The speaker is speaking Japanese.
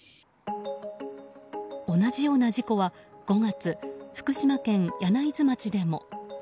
同じような事故は５月、福島県柳津町でも。